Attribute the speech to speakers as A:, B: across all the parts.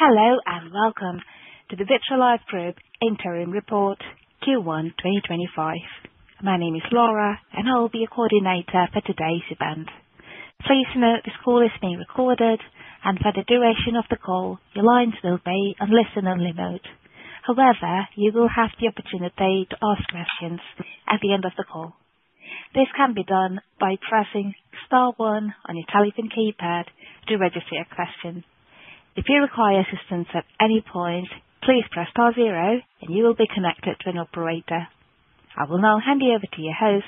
A: Hello and welcome to the Vitrolife Group interim report Q1 2025. My name is Laura, and I will be your coordinator for today's event. Please note this call is being recorded, and for the duration of the call, your lines will be on listen-only mode. However, you will have the opportunity to ask questions at the end of the call. This can be done by pressing star one on your telephone keypad to register your question. If you require assistance at any point, please press star zero, and you will be connected to an operator. I will now hand you over to your host,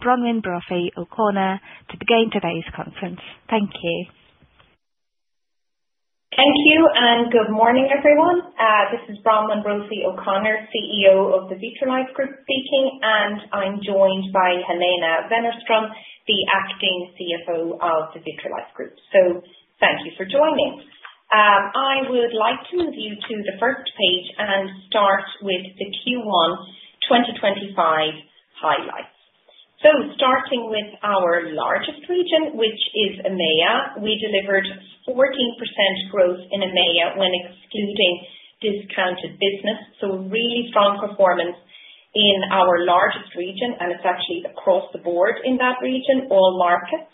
A: Bronwyn Brophy O'Connor, to begin today's conference. Thank you.
B: Thank you, and good morning, everyone. This is Bronwyn Brophy O'Connor, CEO of the Vitrolife Group speaking, and I'm joined by Helena Wennerström, the Acting CFO of the Vitrolife Group. Thank you for joining. I would like to move you to the first page and start with the Q1 2025 highlights. Starting with our largest region, which is EMEA, we delivered 14% growth in EMEA when excluding discontinued business. Really strong performance in our largest region, and it's actually across the board in that region, all markets.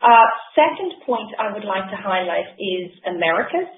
B: The second point I would like to highlight is Americas.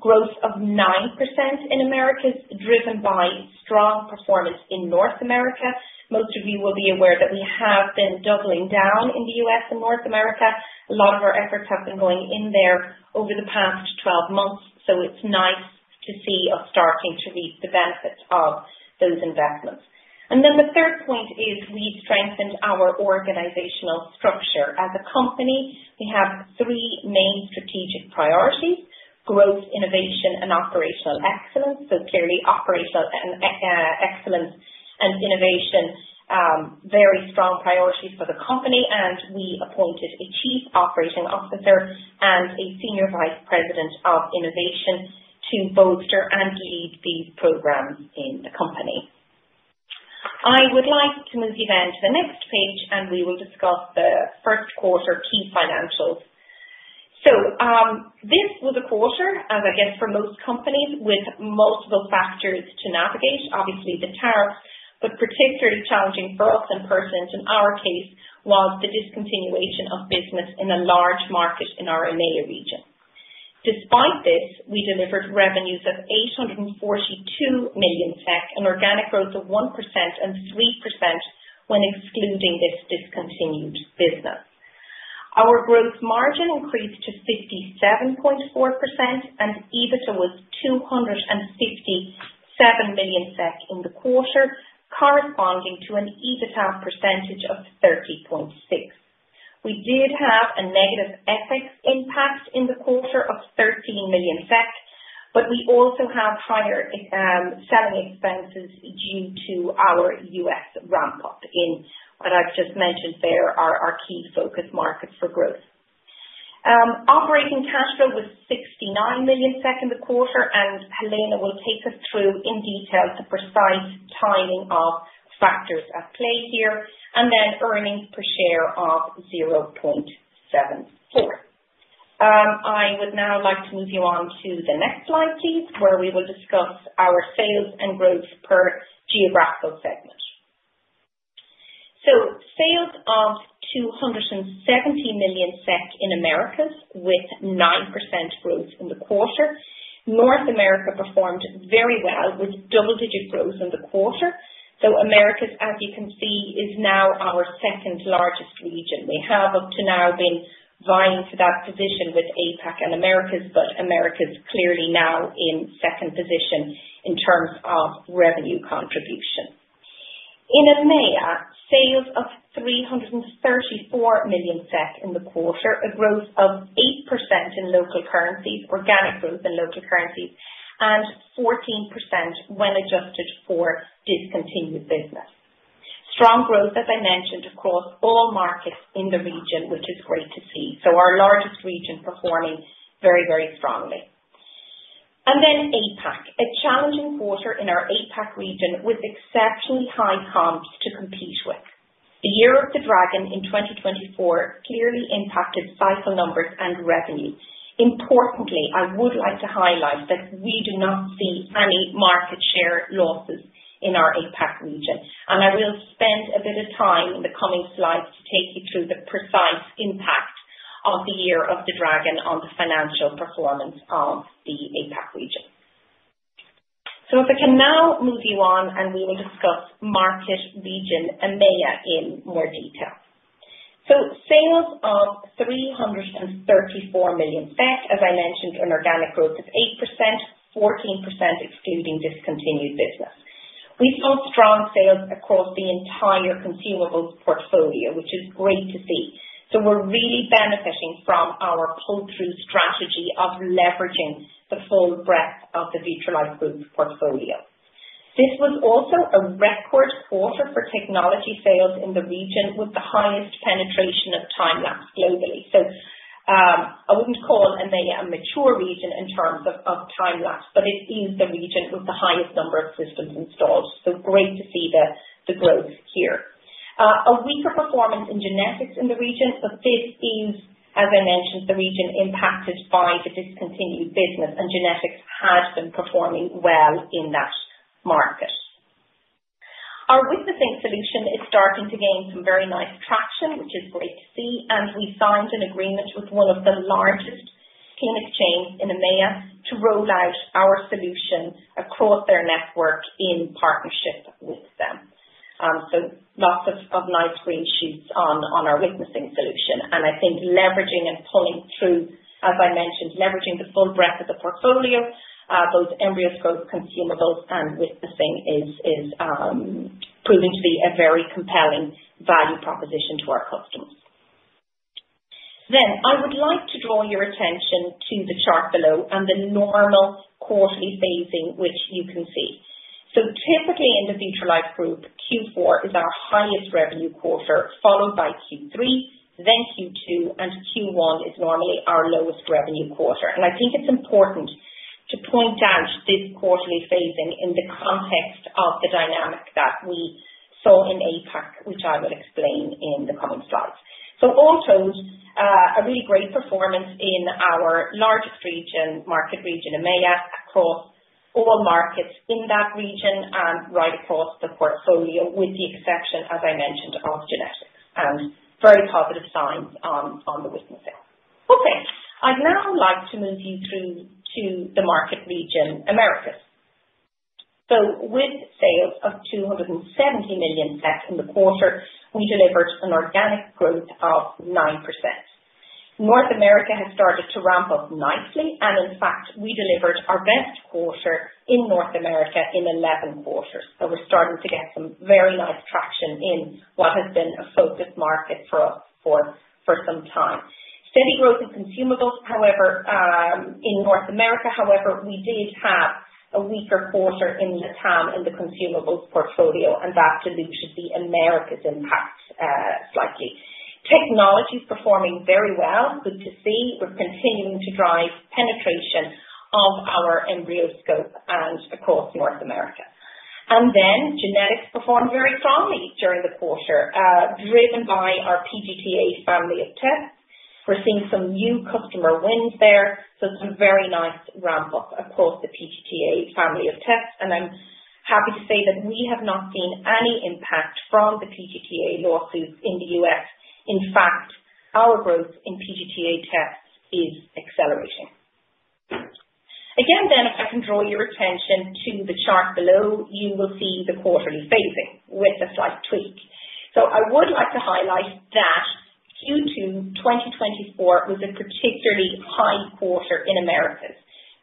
B: Growth of 9% in Americas, driven by strong performance in North America. Most of you will be aware that we have been doubling down in the U.S. and North America. A lot of our efforts have been going in there over the past 12 months, so it's nice to see us starting to reap the benefits of those investments. The third point is we've strengthened our organizational structure. As a company, we have three main strategic priorities: growth, innovation, and operational excellence. Clearly, operational excellence and innovation are very strong priorities for the company, and we appointed a Chief Operating Officer and a Senior Vice President of Innovation to bolster and lead these programs in the company. I would like to move you then to the next page, and we will discuss the first quarter key financials. This was a quarter, as I guess for most companies, with multiple factors to navigate, obviously the tariffs, but particularly challenging for us in person. In our case, it was the discontinuation of business in a large market in our EMEA region. Despite this, we delivered revenues of 842 million SEK and organic growth of 1% and 3% when excluding this discontinued business. Our gross margin increased to 57.4%, and EBITDA was 257 million SEK in the quarter, corresponding to an EBITDA percentage of 30.6%. We did have a negative FX impact in the quarter of 13 million, but we also have higher selling expenses due to our U.S. ramp-up in, as I've just mentioned, there are our key focus markets for growth. Operating cash flow was 69 million SEK in the quarter, and Helena will take us through in detail the precise timing of factors at play here, and then earnings per share of 0.74. I would now like to move you on to the next slide, please, where we will discuss our sales and growth per geographical segment. Sales of 270 million SEK in Americas with 9% growth in the quarter. North America performed very well with double-digit growth in the quarter. Americas, as you can see, is now our second largest region. We have up to now been vying for that position with APAC and Americas, but Americas clearly now in second position in terms of revenue contribution. In EMEA, sales of 334 million in the quarter, a growth of 8% in local currencies, organic growth in local currencies, and 14% when adjusted for discontinued business. Strong growth, as I mentioned, across all markets in the region, which is great to see. Our largest region performing very, very strongly. APAC, a challenging quarter in our APAC region with exceptionally high comps to compete with. The Year of the Dragon in 2024 clearly impacted fiscal numbers and revenue. Importantly, I would like to highlight that we do not see any market share losses in our APAC region, and I will spend a bit of time in the coming slides to take you through the precise impact of the Year of the Dragon on the financial performance of the APAC region. If I can now move you on, we will discuss market region EMEA in more detail. Sales of 334 million, as I mentioned, an organic growth of 8%, 14% excluding discontinued business. We saw strong sales across the entire consumables portfolio, which is great to see. We are really benefiting from our pull-through strategy of leveraging the full breadth of the Vitrolife Group portfolio. This was also a record quarter for technology sales in the region with the highest penetration of time-lapse globally. I wouldn't call EMEA a mature region in terms of time-lapse, but it is the region with the highest number of systems installed. Great to see the growth here. A weaker performance in genetics in the region, but this is, as I mentioned, the region impacted by the discontinued business, and genetics had been performing well in that market. Our witnessing solution is starting to gain some very nice traction, which is great to see, and we signed an agreement with one of the largest clinic chains in EMEA to roll out our solution across their network in partnership with them. Lots of nice green shoots on our witnessing solution, and I think leveraging and pulling through, as I mentioned, leveraging the full breadth of the portfolio, both EmbryoScopes, consumables, and witnessing is proving to be a very compelling value proposition to our customers. I would like to draw your attention to the chart below and the normal quarterly phasing, which you can see. Typically in the Vitrolife Group, Q4 is our highest revenue quarter, followed by Q3, then Q2, and Q1 is normally our lowest revenue quarter. I think it is important to point out this quarterly phasing in the context of the dynamic that we saw in APAC, which I will explain in the coming slides. All told, a really great performance in our largest region, market region EMEA, across all markets in that region and right across the portfolio, with the exception, as I mentioned, of genetics, and very positive signs on the witnessing. Okay, I'd now like to move you through to the market region, Americas. With sales of 270 million in the quarter, we delivered an organic growth of 9%. North America has started to ramp up nicely, and in fact, we delivered our best quarter in North America in 11 quarters. We're starting to get some very nice traction in what has been a focus market for us for some time. Steady growth in consumables, however, in North America, we did have a weaker quarter in LatAm in the consumables portfolio, and that dilution should be Americas impact slightly. Technology performing very well, good to see. We're continuing to drive penetration of our EmbryoScope and across North America. Then genetics performed very strongly during the quarter, driven by our PGT-A family of tests. We're seeing some new customer wins there, so some very nice ramp-up across the PGT-A family of tests, and I'm happy to say that we have not seen any impact from the PGT-A lawsuits in the U.S. In fact, our growth in PGT-A tests is accelerating. Again, if I can draw your attention to the chart below, you will see the quarterly phasing with a slight tweak. I would like to highlight that Q2 2024 was a particularly high quarter in Americas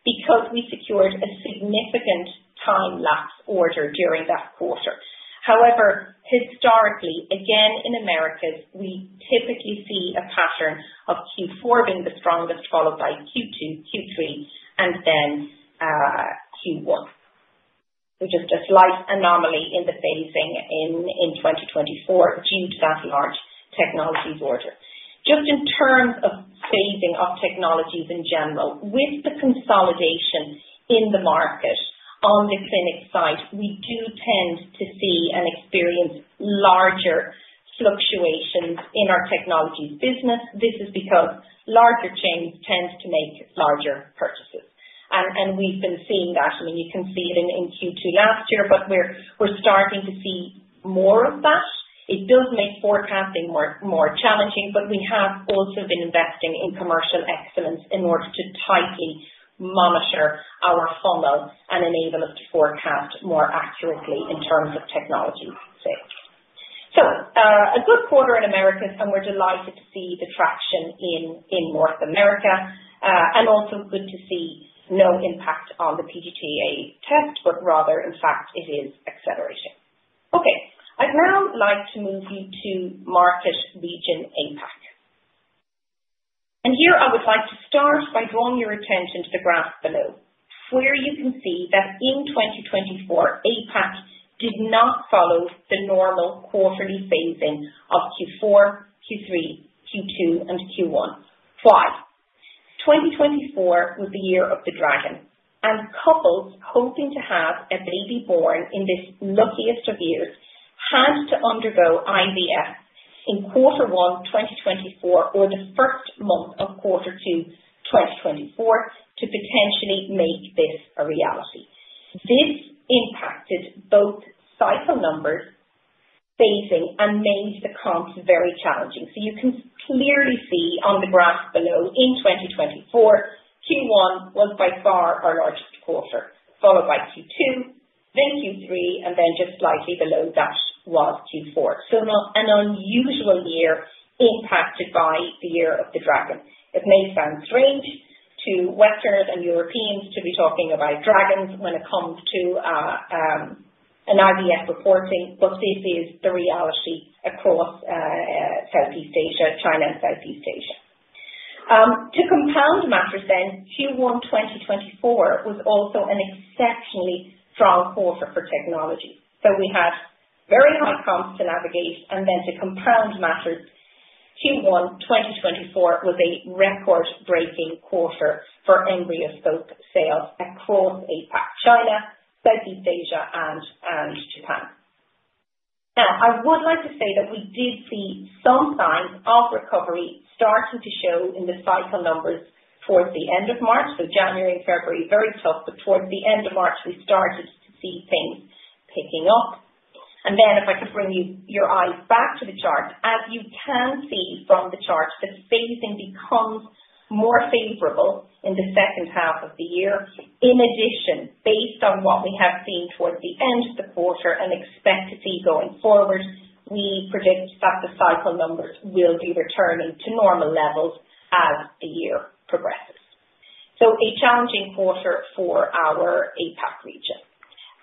B: because we secured a significant time-lapse order during that quarter. However, historically, in Americas, we typically see a pattern of Q4 being the strongest, followed by Q2, Q3, and then Q1. We just had a slight anomaly in the phasing in 2024 due to that large technologies order. Just in terms of phasing of technologies in general, with the consolidation in the market on the clinic side, we do tend to see and experience larger fluctuations in our technologies business. This is because larger chains tend to make larger purchases, and we've been seeing that. I mean, you can see it in Q2 last year, but we're starting to see more of that. It does make forecasting more challenging, but we have also been investing in commercial excellence in order to tightly monitor our funnel and enable us to forecast more accurately in terms of technologies sales. A good quarter in Americas, and we're delighted to see the traction in North America, and also good to see no impact on the PGT-A test, but rather, in fact, it is accelerating. Okay, I'd now like to move you to market region APAC. Here I would like to start by drawing your attention to the graph below, where you can see that in 2024, APAC did not follow the normal quarterly phasing of Q4, Q3, Q2, and Q1. Why? 2024 was the Year of the Dragon, and couples hoping to have a baby born in this luckiest of years had to undergo IVF in quarter one 2024 or the first month of quarter two 2024 to potentially make this a reality. This impacted both cycle numbers, phasing, and made the comps very challenging. You can clearly see on the graph below, in 2024, Q1 was by far our largest quarter, followed by Q2, then Q3, and then just slightly below that was Q4. An unusual year impacted by the Year of the Dragon. It may sound strange to Westerners and Europeans to be talking about dragons when it comes to an IVF reporting, but this is the reality across Southeast Asia, China and Southeast Asia. To compound matters then, Q1 2024 was also an exceptionally strong quarter for technology. We had very high comps to navigate, and then to compound matters, Q1 2024 was a record-breaking quarter for EmbryoScope sales across APAC, China, Southeast Asia, and Japan. Now, I would like to say that we did see some signs of recovery starting to show in the cycle numbers towards the end of March. January and February, very tough, but towards the end of March, we started to see things picking up. If I could bring your eyes back to the chart, as you can see from the chart, the phasing becomes more favorable in the second half of the year. In addition, based on what we have seen towards the end of the quarter and expect to see going forward, we predict that the cycle numbers will be returning to normal levels as the year progresses. A challenging quarter for our APAC region.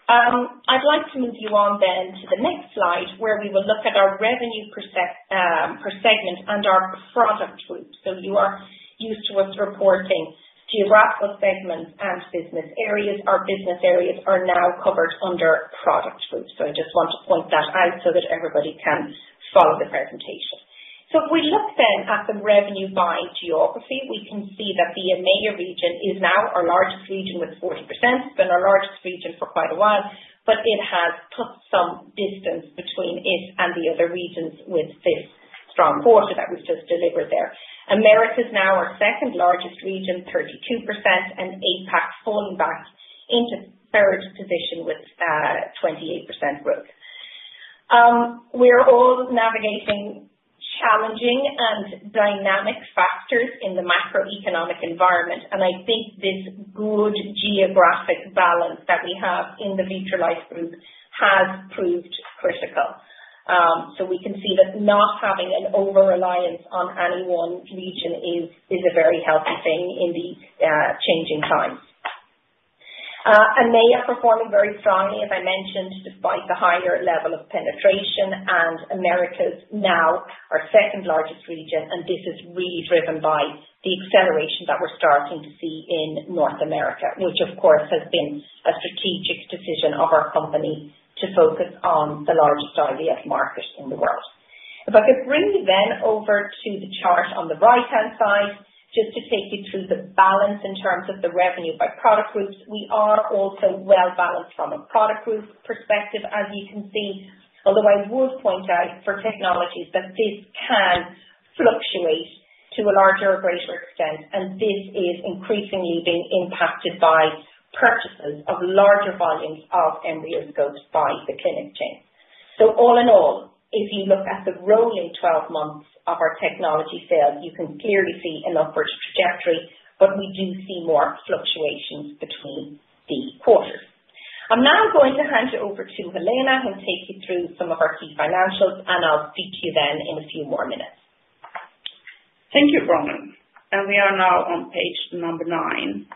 B: I'd like to move you on to the next slide, where we will look at our revenue per segment and our product group. You are used to us reporting geographical segments and business areas. Our business areas are now covered under product groups, so I just want to point that out so that everybody can follow the presentation. If we look then at the revenue by geography, we can see that the EMEA region is now our largest region with 40%. It has been our largest region for quite a while, but it has put some distance between it and the other regions with this strong quarter that we have just delivered there. Americas is now our second largest region, 32%, and APAC falling back into third position with 28% growth. We are all navigating challenging and dynamic factors in the macroeconomic environment, and I think this good geographic balance that we have in the Vitrolife Group has proved critical. We can see that not having an over-reliance on any one region is a very healthy thing in these changing times. EMEA is performing very strongly, as I mentioned, despite the higher level of penetration, and Americas is now our second largest region, and this is really driven by the acceleration that we're starting to see in North America, which of course has been a strategic decision of our company to focus on the largest IVF market in the world. If I could bring you then over to the chart on the right-hand side, just to take you through the balance in terms of the revenue by product groups, we are also well-balanced from a product group perspective, as you can see, although I would point out for technologies that this can fluctuate to a larger or greater extent, and this is increasingly being impacted by purchases of larger volumes of EmbryoScopes by the clinic chain. All in all, if you look at the rolling 12 months of our technology sales, you can clearly see an upward trajectory, but we do see more fluctuations between the quarters. I'm now going to hand you over to Helena and take you through some of our key financials, and I'll speak to you then in a few more minutes.
C: Thank you, Bronwyn. We are now on page number nine,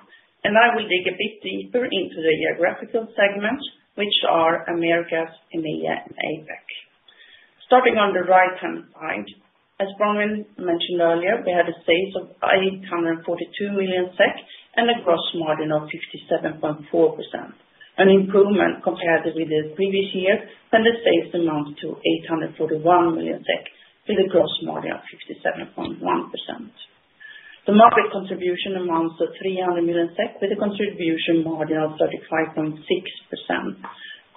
C: and I will dig a bit deeper into the geographical segments, which are Americas, EMEA, and APAC. Starting on the right-hand side, as Bronwyn mentioned earlier, we had a sales of 842 million SEK and a gross margin of 57.4%, an improvement compared with the previous year, and the sales amount to 841 million with a gross margin of 57.1%. The market contribution amounts to 300 million SEK with a contribution margin of 35.6%.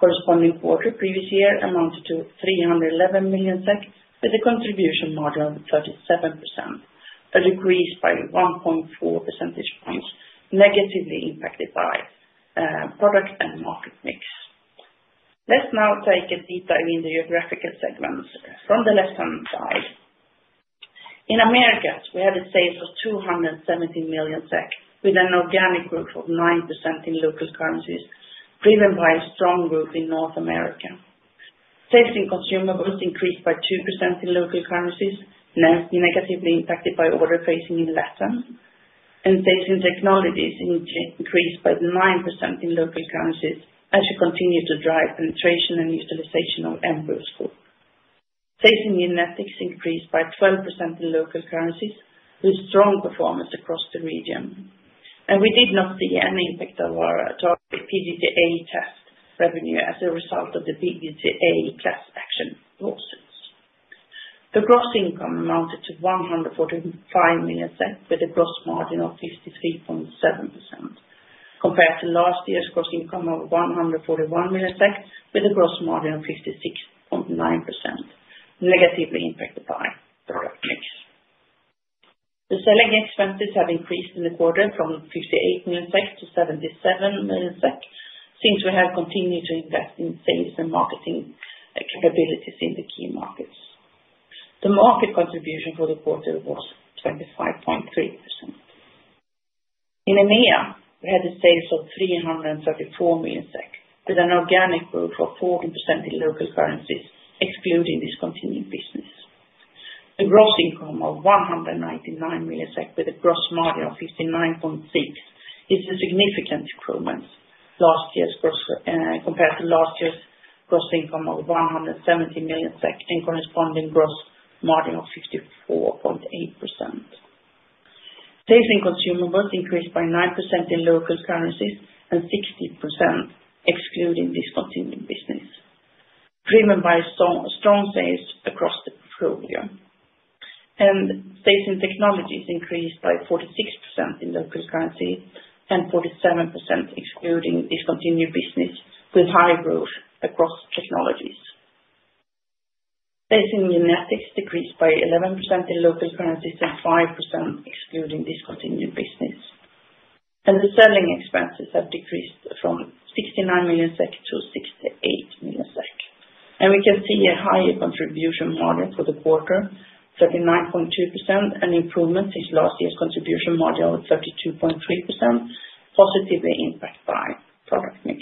C: Corresponding quarter previous year amounted to 311 million SEK with a contribution margin of 37%, a decrease by 1.4 percentage points negatively impacted by product and market mix. Let's now take a deep dive in the geographical segments from the left-hand side. In Americas, we had a sales of 270 million SEK with an organic growth of 9% in local currencies, driven by a strong growth in North America. Sales in consumables increased by 2% in local currencies, negatively impacted by order phasing in Latin America, and sales in technologies increased by 9% in local currencies as we continue to drive penetration and utilization of EmbryoScope. Sales in genetics increased by 12% in local currencies with strong performance across the region, and we did not see any impact of our target PGT-A test revenue as a result of the PGT-A class action lawsuits. The gross income amounted to 145 million with a gross margin of 53.7%, compared to last year's gross income of 141 million with a gross margin of 56.9%, negatively impacted by product mix. The selling expenses have increased in the quarter from 58 million SEK to 77 million SEK since we have continued to invest in sales and marketing capabilities in the key markets. The market contribution for the quarter was 25.3%. In EMEA, we had a sales of 334 million with an organic growth of 40% in local currencies, excluding discontinued business. The gross income of 199 million with a gross margin of 59.6% is a significant improvement compared to last year's gross income of 170 million and corresponding gross margin of 54.8%. Sales in consumables increased by 9% in local currencies and 60%, excluding discontinued business, driven by strong sales across the quarter. Sales in technologies increased by 46% in local currency and 47%, excluding discontinued business, with high growth across technologies. Sales in genetics decreased by 11% in local currencies and 5%, excluding discontinued business. The selling expenses have decreased from 69 million SEK to 68 million SEK. We can see a higher contribution margin for the quarter, 39.2%, an improvement since last year's contribution margin of 32.3%, positively impacted by product mix.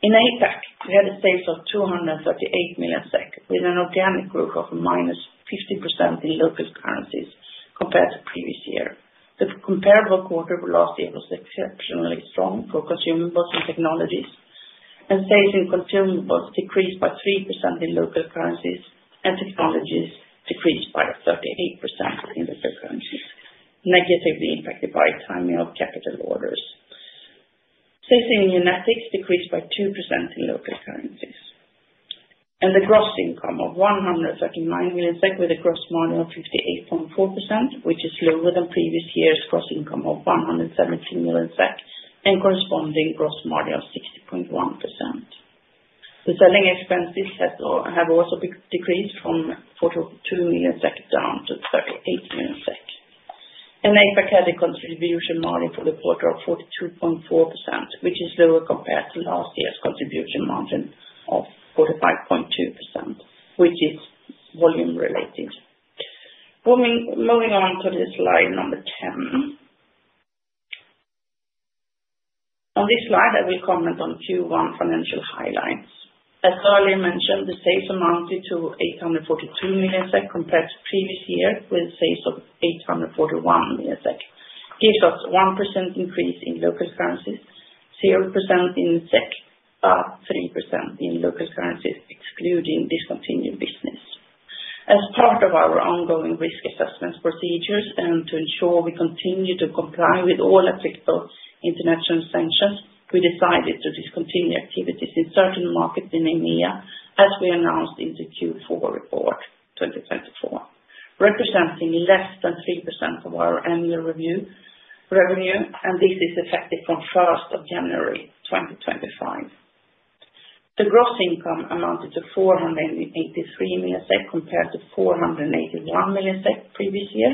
C: In APAC, we had sales of 238 million SEK with an organic growth of minus 50% in local currencies compared to previous year. The comparable quarter velocity was exceptionally strong for consumables and technologies, and sales in consumables decreased by 3% in local currencies and technologies decreased by 38% in local currencies, negatively impacted by timing of capital orders. Sales in genetics decreased by 2% in local currencies. The gross income of 139 million SEK with a gross margin of 58.4%, which is lower than previous year's gross income of 117 million SEK and corresponding gross margin of 60.1%. The selling expenses have also decreased from 42 million SEK down to 38 million SEK. APAC had a contribution margin for the quarter of 42.4%, which is lower compared to last year's contribution margin of 45.2%, which is volume-related. Moving on to slide number 10. On this slide, I will comment on Q1 financial highlights. As earlier mentioned, the sales amounted to 842 million SEK compared to previous year, with sales of 841 million SEK. It gives us a 1% increase in local currencies, 0% in SEK, 3% in local currencies, excluding discontinued business. As part of our ongoing risk assessment procedures and to ensure we continue to comply with all applicable international sanctions, we decided to discontinue activities in certain markets in EMEA, as we announced in the Q4 report 2024, representing less than 3% of our annual revenue, and this is effective from 1 January 2025. The gross income amounted to 483 million SEK compared to 481 million SEK previous year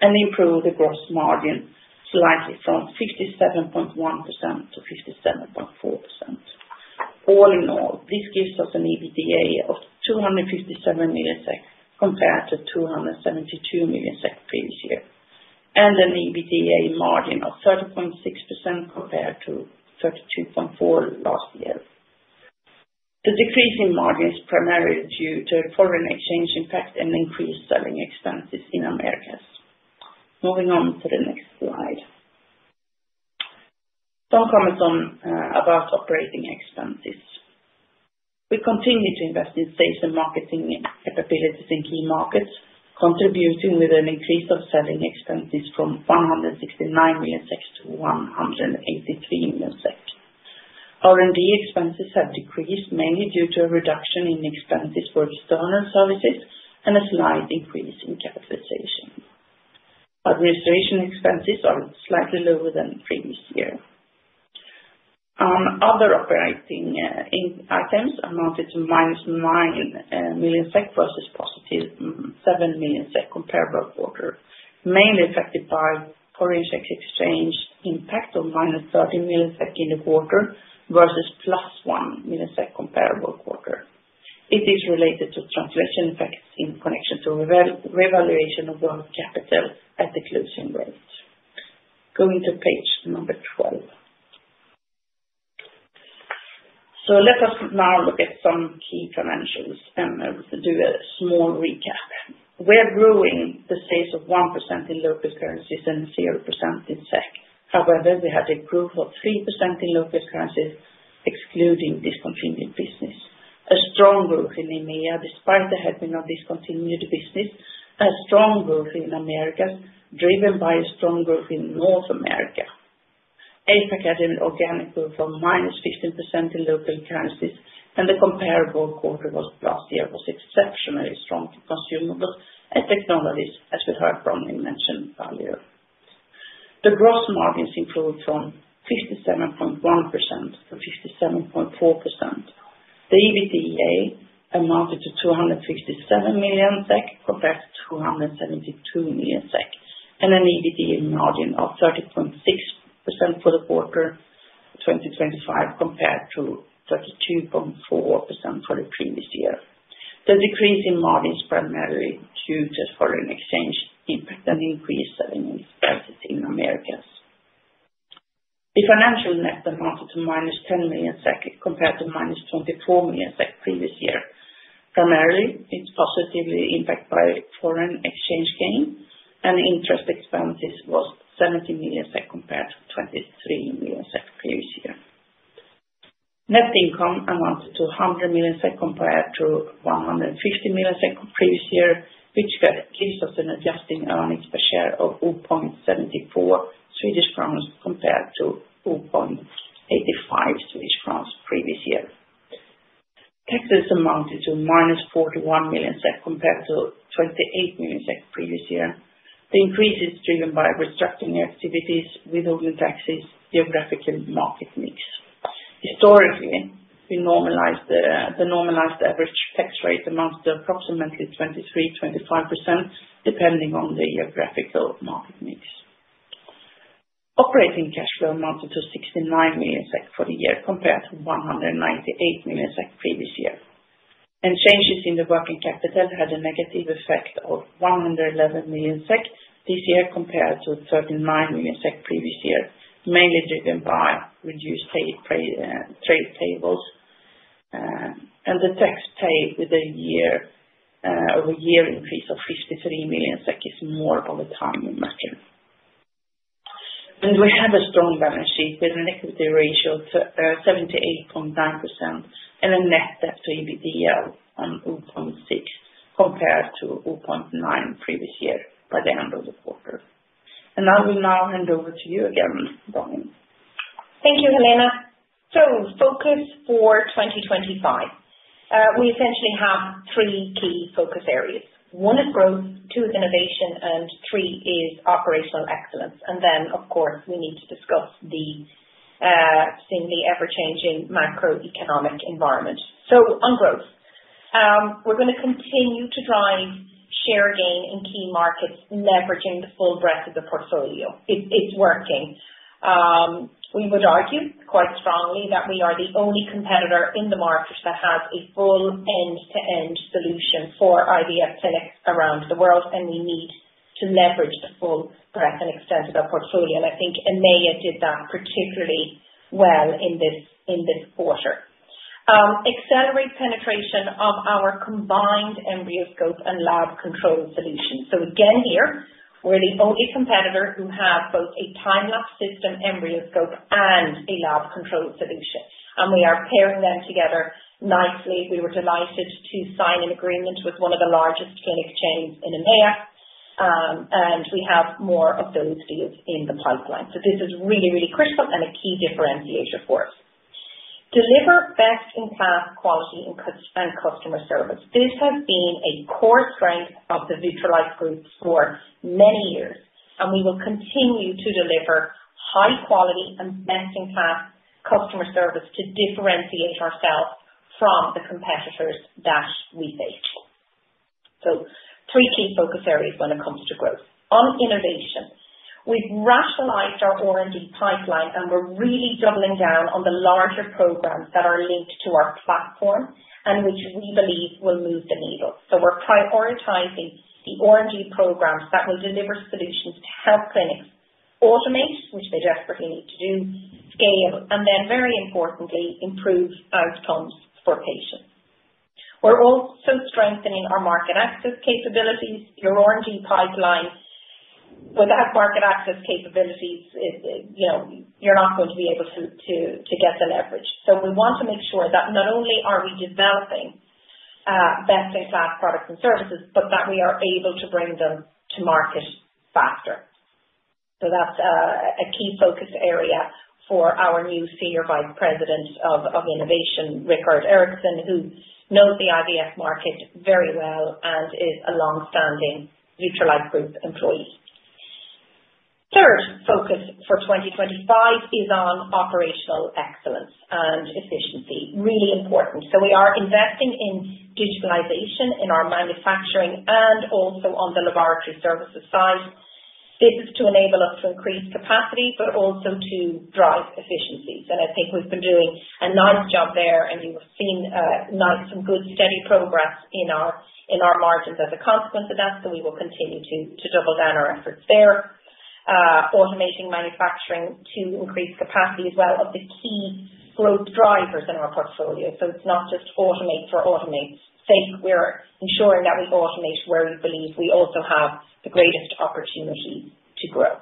C: and improved the gross margin slightly from 57.1% to 57.4%. All in all, this gives us an EBITDA of 257 million compared to 272 million previous year, and an EBITDA margin of 30.6% compared to 32.4% last year. The decrease in margin is primarily due to foreign exchange impact and increased selling expenses in Americas. Moving on to the next slide. Some comments about operating expenses. We continue to invest in sales and marketing capabilities in key markets, contributing with an increase of selling expenses from 169 million to 183 million. R&D expenses have decreased, mainly due to a reduction in expenses for external services and a slight increase in capitalization. Administration expenses are slightly lower than previous year. Other operating items amounted to -9 million SEK versus +7 million SEK comparable quarter, mainly affected by foreign exchange impact of -30 million in the quarter versus +1 million comparable quarter. It is related to translation effects in connection to revaluation of working capital at the closing rate. Going to page number 12. Let us now look at some key financials and do a small recap. We're growing the sales of 1% in local currencies and 0% in SEK. However, we had a growth of 3% in local currencies, excluding discontinued business. A strong growth in EMEA despite the headwind of discontinued business, a strong growth in Americas, driven by a strong growth in North America. APAC had an organic growth of -15% in local currencies, and the comparable quarter last year was exceptionally strong to consumables and technologies, as we heard Bronwyn mention earlier. The gross margins improved from 57.1% to 57.4%. The EBITDA amounted to 257 million SEK compared to 272 million SEK, and an EBITDA margin of 30.6% for the quarter 2025 compared to 32.4% for the previous year. The decrease in margins primarily due to foreign exchange impact and increased selling expenses in Americas. The financial net amounted to -10 million SEK compared to -24 million SEK previous year. Primarily, it's positively impacted by foreign exchange gain, and interest expenses was 70 million SEK compared to 23 million SEK previous year. Net income amounted to 100 million SEK compared to 150 million SEK previous year, which gives us an adjusting earnings per share of 0.74 Swedish crowns compared to 0.85 Swedish crowns previous year. Taxes amounted to -41 million SEK compared to 28 million SEK previous year. The increase is driven by restructuring activities, withholding taxes, geographical market mix. Historically, the normalized average tax rate amounts to approximately 23%-25%, depending on the geographical market mix. Operating cash flow amounted to 69 million SEK for the year compared to 198 million SEK previous year. Changes in the working capital had a negative effect of 111 million SEK this year compared to 39 million SEK previous year, mainly driven by reduced trade payables. The tax paid with a year-over-year increase of 53 million is more of a timing measure. We have a strong balance sheet with an equity ratio of 78.9% and a net debt to EBITDA of 0.6% compared to 0.9% previous year by the end of the quarter. I will now hand over to you again, Bronwyn.
B: Thank you, Helena. Focus for 2025, we essentially have three key focus areas. One is growth, two is innovation, and three is operational excellence. Of course, we need to discuss the ever-changing macroeconomic environment. On growth, we're going to continue to drive share gain in key markets, leveraging the full breadth of the portfolio. It's working. We would argue quite strongly that we are the only competitor in the market that has a full end-to-end solution for IVF clinics around the world, and we need to leverage the full breadth and extent of our portfolio. I think EMEA did that particularly well in this quarter. Accelerate penetration of our combined EmbryoScope and lab control solution. Again here, we're the only competitor who has both a time-lapse system EmbryoScope and a lab control solution, and we are pairing them together nicely. We were delighted to sign an agreement with one of the largest clinic chains in EMEA, and we have more of those deals in the pipeline. This is really, really crucial and a key differentiator for us. Deliver best-in-class quality and customer service. This has been a core strength of the Vitrolife Group for many years, and we will continue to deliver high-quality and best-in-class customer service to differentiate ourselves from the competitors that we face. Three key focus areas when it comes to growth. On innovation, we've rationalized our R&D pipeline, and we're really doubling down on the larger programs that are linked to our platform and which we believe will move the needle. We're prioritizing the R&D programs that will deliver solutions to help clinics automate, which they desperately need to do, scale, and then, very importantly, improve outcomes for patients. We're also strengthening our market access capabilities. Your R&D pipeline, without market access capabilities, you're not going to be able to get the leverage. We want to make sure that not only are we developing best-in-class products and services, but that we are able to bring them to market faster. That is a key focus area for our new Senior Vice President of Innovation, Rickard Ericsson, who knows the IVF market very well and is a long-standing Vitrolife Group employee. The third focus for 2025 is on operational excellence and efficiency. Really important. We are investing in digitalization in our manufacturing and also on the laboratory services side. This is to enable us to increase capacity, but also to drive efficiencies. I think we have been doing a nice job there, and we have seen some good steady progress in our margins as a consequence of that, so we will continue to double down our efforts there. Automating manufacturing to increase capacity as well are the key growth drivers in our portfolio. It is not just automate for automate's sake. We're ensuring that we automate where we believe we also have the greatest opportunity to grow.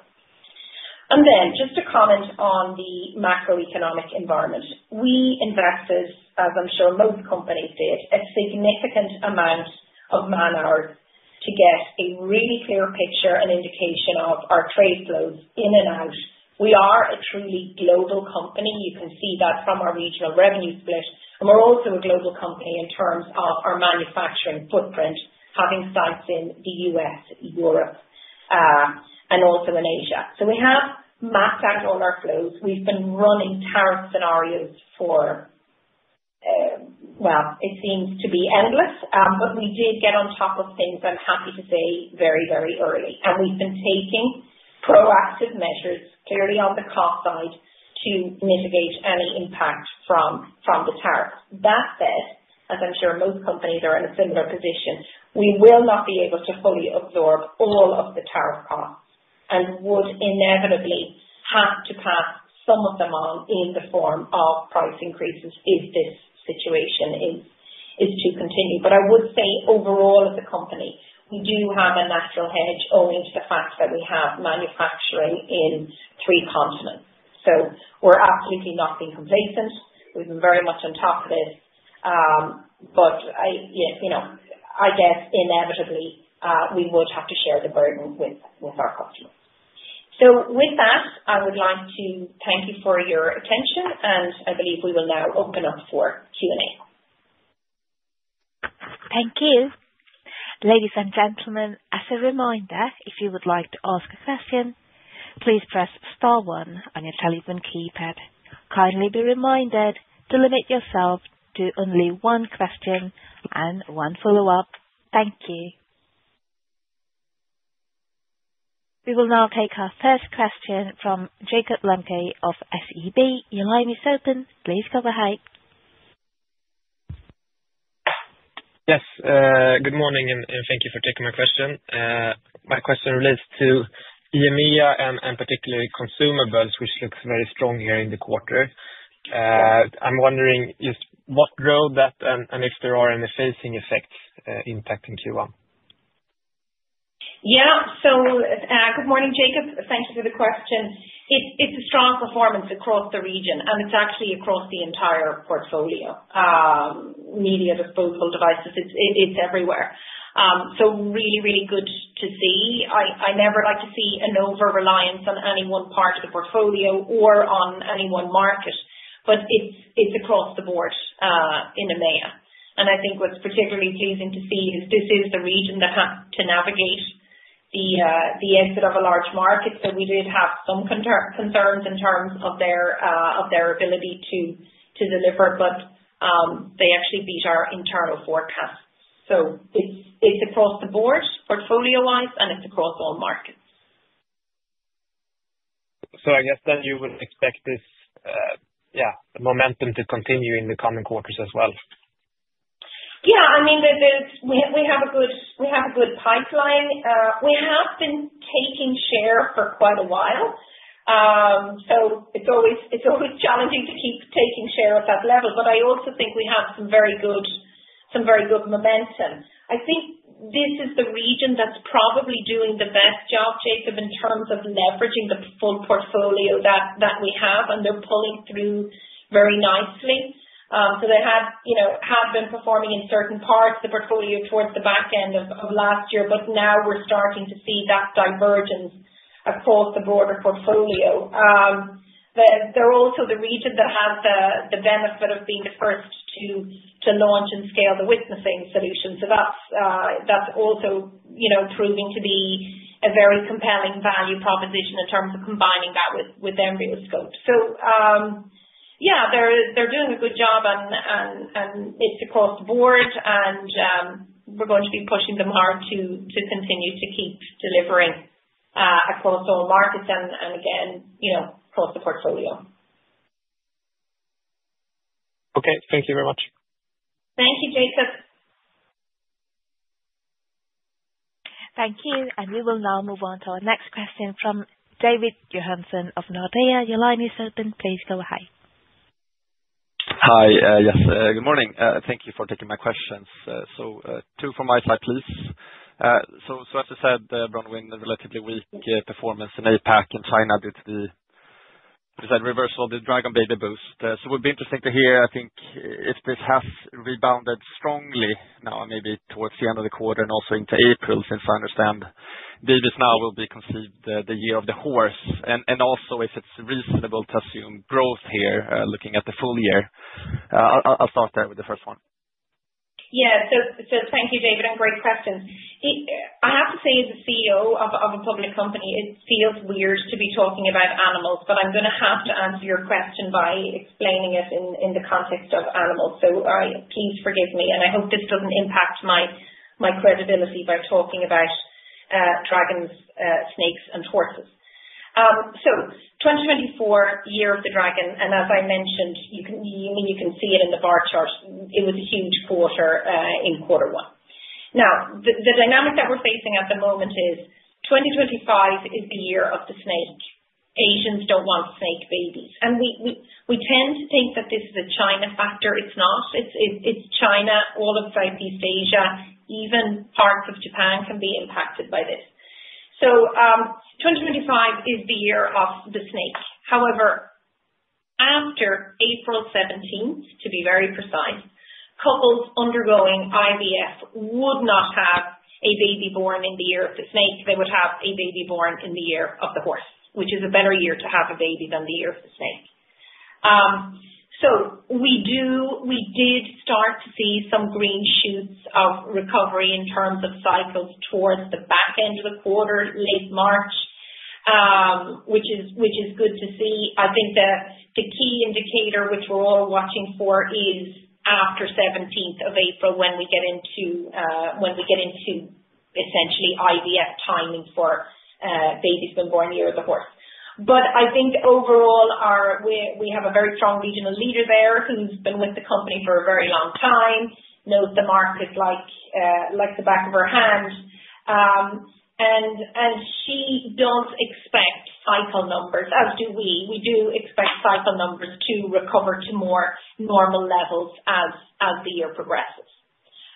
B: Just to comment on the macroeconomic environment, we invested, as I'm sure most companies did, a significant amount of man-hours to get a really clear picture and indication of our trade flows in and out. We are a truly global company. You can see that from our regional revenue split, and we're also a global company in terms of our manufacturing footprint, having sites in the U.S., Europe, and also in Asia. We have mapped out all our flows. We've been running tariff scenarios for, it seems to be endless, but we did get on top of things, I'm happy to say, very, very early. We have been taking proactive measures, clearly on the cost side, to mitigate any impact from the tariffs. That said, as I am sure most companies are in a similar position, we will not be able to fully absorb all of the tariff costs and would inevitably have to pass some of them on in the form of price increases if this situation is to continue. I would say, overall, as a company, we do have a natural hedge owing to the fact that we have manufacturing in three continents. We are absolutely not being complacent. We have been very much on top of this. I guess, inevitably, we would have to share the burden with our customers. With that, I would like to thank you for your attention, and I believe we will now open up for Q&A. Thank you.
A: Ladies and gentlemen, as a reminder, if you would like to ask a question, please press star one on your telephone keypad. Kindly be reminded to limit yourself to only one question and one follow-up. Thank you. We will now take our first question from Jakob Lembke of SEB. Your line is open. Please go ahead.
D: Yes. Good morning, and thank you for taking my question. My question relates to EMEA and particularly consumables, which looks very strong here in the quarter. I'm wondering just what drove that and if there are any phasing effects impacting Q1.
B: Yeah. Good morning, Jakob. Thank you for the question. It's a strong performance across the region, and it's actually across the entire portfolio, media, disposable devices. It's everywhere. Really, really good to see. I never like to see an over-reliance on any one part of the portfolio or on any one market, but it's across the board in EMEA. I think what's particularly pleasing to see is this is the region that had to navigate the exit of a large market. We did have some concerns in terms of their ability to deliver, but they actually beat our internal forecasts. It's across the board, portfolio-wise, and it's across all markets.
D: I guess then you would expect this, yeah, momentum to continue in the coming quarters as well.
B: Yeah. I mean, we have a good pipeline. We have been taking share for quite a while, so it's always challenging to keep taking share at that level, but I also think we have some very good momentum. I think this is the region that's probably doing the best job, Jakob, in terms of leveraging the full portfolio that we have, and they're pulling through very nicely. They have been performing in certain parts of the portfolio towards the back end of last year, but now we're starting to see that divergence across the broader portfolio. They're also the region that has the benefit of being the first to launch and scale the witnessing solution. That's also proving to be a very compelling value proposition in terms of combining that with EmbryoScope. Yeah, they're doing a good job, and it's across the board, and we're going to be pushing them hard to continue to keep delivering across all markets and, again, across the portfolio.
D: Okay. Thank you very much.
B: Thank you, Jakob.
A: Thank you. We will now move on to our next question from David Johansson of Nordea. Your line is open. Please go ahead.
E: Hi. Yes. Good morning. Thank you for taking my questions. Two from my side, please. As I said, Bronwyn, relatively weak performance in APAC and China due to the reversal Year of the Dragon Baby boost. It would be interesting to hear, I think, if this has rebounded strongly now, maybe towards the end of the quarter and also into April, since I understand babies now will be conceived in the Year of the Horse. Also, if it is reasonable to assume growth here, looking at the full year. I'll start there with the first one.
B: Yeah. Thank you, David, and great question. I have to say, as a CEO of a public company, it feels weird to be talking about animals, but I'm going to have to answer your question by explaining it in the context of animals. Please forgive me, and I hope this doesn't impact my credibility by talking about dragons, snakes, and horses. 2024, Year of the Dragon, and as I mentioned, you can see it in the bar chart. It was a huge quarter in quarter one. Now, the dynamic that we're facing at the moment is 2025 is the Year of the Snake. Asians don't want snake babies. We tend to think that this is a China factor. It's not. It's China, all of Southeast Asia, even parts of Japan can be impacted by this. 2025 is the Year of the Snake. However, after April 17th, to be very precise, couples undergoing IVF would not have a baby born in the Year of the Snake. They would have a baby born in the Year of the Horse, which is a better year to have a baby than the Year of the Snake. We did start to see some green shoots of recovery in terms of cycles towards the back end of the quarter, late March, which is good to see. I think the key indicator which we're all watching for is after 17th of April when we get into essentially IVF timing for babies being born in the Year of the Horse. I think overall, we have a very strong regional leader there who's been with the company for a very long time, knows the market like the back of her hand. She does expect cycle numbers, as do we. We do expect cycle numbers to recover to more normal levels as the year progresses.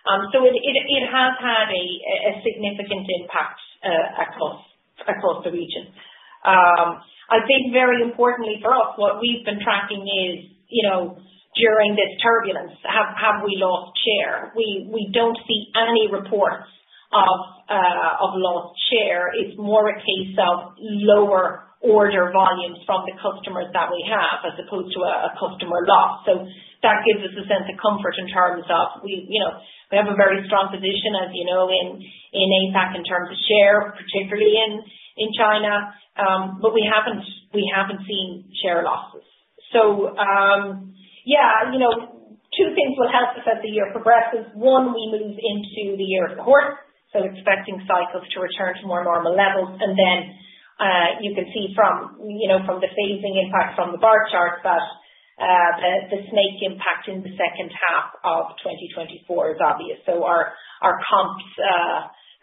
B: It has had a significant impact across the region. I think very importantly for us, what we've been tracking is during this turbulence, have we lost share? We don't see any reports of lost share. It's more a case of lower order volumes from the customers that we have as opposed to a customer loss. That gives us a sense of comfort in terms of we have a very strong position, as you know, in APAC in terms of share, particularly in China, but we haven't seen share losses. Two things will help us as the year progresses. One, we move into the Year of the Horse, so expecting cycles to return to more normal levels. You can see from the phasing impact from the bar chart that the snake impact in the second half of 2024 is obvious. Our comps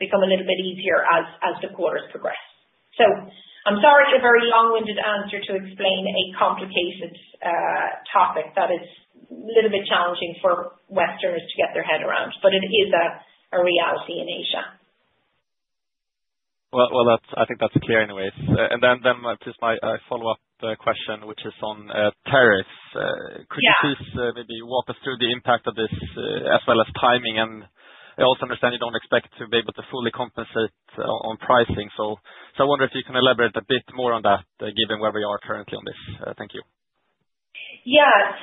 B: become a little bit easier as the quarters progress. I'm sorry, a very long-winded answer to explain a complicated topic that is a little bit challenging for Westerners to get their head around, but it is a reality in Asia.
E: I think that's clear anyways. My follow-up question is on tariffs. Could you please maybe walk us through the impact of this as well as timing? I also understand you don't expect to be able to fully compensate on pricing. I wonder if you can elaborate a bit more on that, given where we are currently on this. Thank you.
B: Yeah.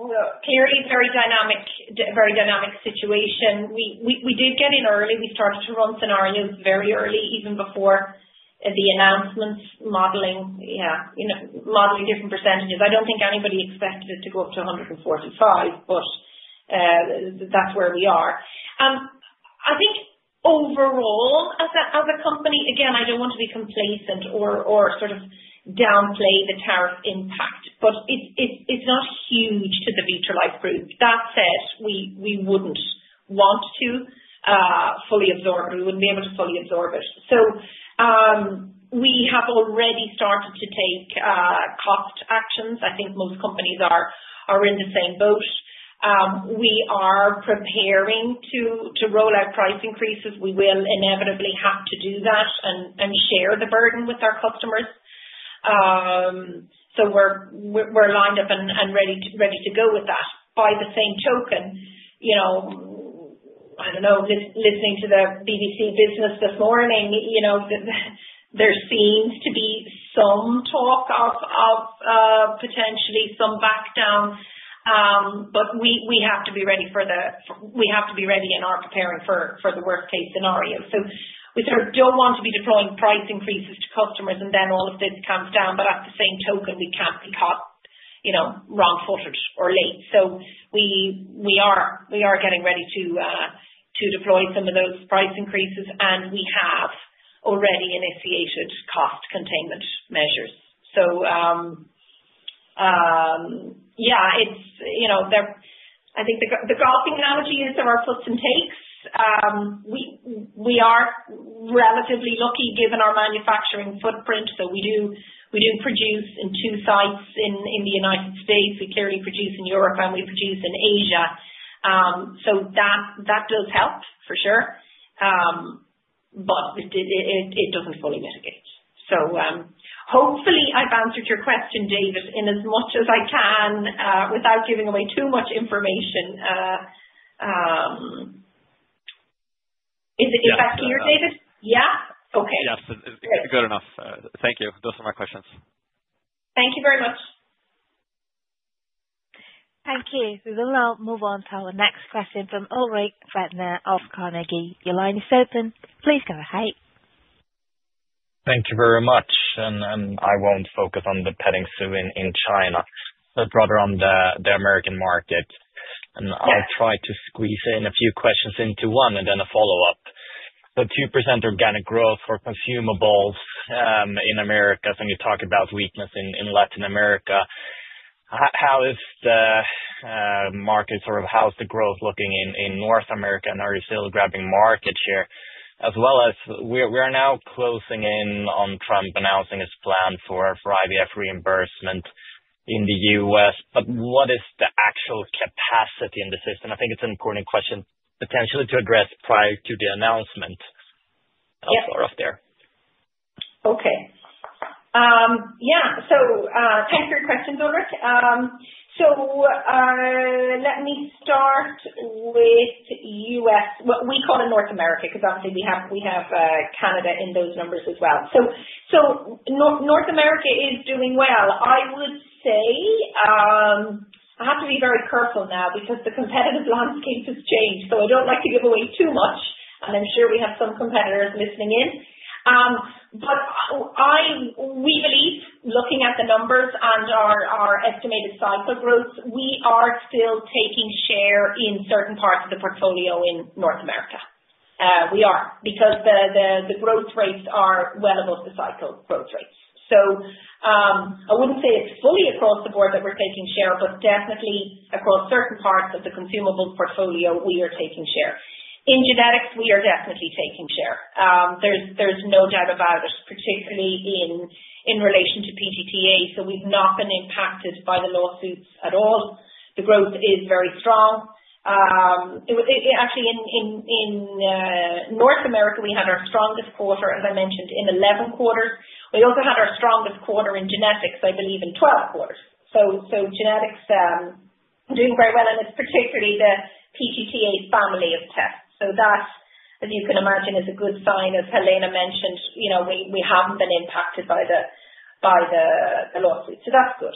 B: Clearly, very dynamic situation. We did get in early. We started to run scenarios very early, even before the announcements, modeling different percentages. I don't think anybody expected it to go up to 145%, but that's where we are. I think overall, as a company, again, I don't want to be complacent or sort of downplay the tariff impact, but it's not huge to the Vitrolife Group. That said, we wouldn't want to fully absorb it. We wouldn't be able to fully absorb it. We have already started to take cost actions. I think most companies are in the same boat. We are preparing to roll out price increases. We will inevitably have to do that and share the burden with our customers. We are lined up and ready to go with that. By the same token, I don't know, listening to the BBC business this morning, there seems to be some talk of potentially some backdown, but we have to be ready for the we have to be ready and are preparing for the worst-case scenario. We sort of don't want to be deploying price increases to customers, and then all of this comes down. At the same token, we can't be caught wrong-footed or late. We are getting ready to deploy some of those price increases, and we have already initiated cost containment measures. I think the golfing analogy is there are plus and takes. We are relatively lucky given our manufacturing footprint. We do produce in two sites in the U.S. We clearly produce in Europe, and we produce in Asia. That does help for sure, but it doesn't fully mitigate. Hopefully, I've answered your question, David, in as much as I can without giving away too much information. Is that clear, David?
E: Yeah?
B: Okay.
E: Yes. Good enough. Thank you. Those are my questions.
B: Thank you very much.
A: Thank you. We will now move on to our next question from Ulrik Trattner of Carnegie. Your line is open. Please go ahead.
F: Thank you very much. I won't focus on the petting zoo in China, but rather on the American market. I'll try to squeeze in a few questions into one and then a follow-up. 2% organic growth for consumables in America, and you talk about weakness in Latin America. How is the market sort of how's the growth looking in North America, and are you still grabbing market share? As well as we are now closing in on Trump announcing his plan for IVF reimbursement in the U.S., but what is the actual capacity in the system? I think it's an important question potentially to address prior to the announcement of sort of there.
B: Okay. Yeah. Thanks for your questions, Ulrik. Let me start with U.S., what we call North America, because obviously we have Canada in those numbers as well. North America is doing well. I would say I have to be very careful now because the competitive landscape has changed. I do not like to give away too much, and I am sure we have some competitors listening in. We believe, looking at the numbers and our estimated cycle growth, we are still taking share in certain parts of the portfolio in North America. We are because the growth rates are well above the cycle growth rates. I wouldn't say it's fully across the board that we're taking share, but definitely across certain parts of the consumable portfolio, we are taking share. In genetics, we are definitely taking share. There's no doubt about it, particularly in relation to PGT-A. We've not been impacted by the lawsuits at all. The growth is very strong. Actually, in North America, we had our strongest quarter, as I mentioned, in 11 quarters. We also had our strongest quarter in genetics, I believe, in 12 quarters. Genetics are doing very well, and it's particularly the PGT-A family of tests. That, as you can imagine, is a good sign, as Helena mentioned. We haven't been impacted by the lawsuit. That's good.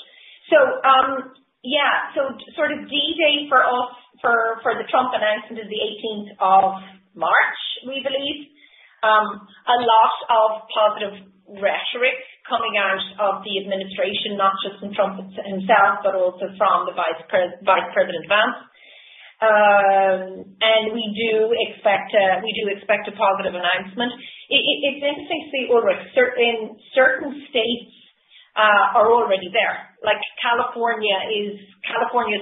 B: Yeah, sort of D-Day for us, for the Trump announcement, is the 18th of March, we believe. A lot of positive rhetoric coming out of the administration, not just from Trump himself, but also from the Vice President, Vance. We do expect a positive announcement. It's interesting to see, Ulrik, certain states are already there. California is